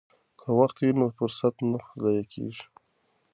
که وخت وي نو فرصت نه ضایع کیږي.